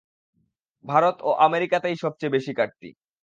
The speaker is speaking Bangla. ভারত ও আমেরিকাতেই সব চেয়ে বেশী কাটতি।